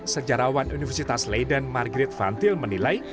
sejarawan universitas leiden margrit van til menilai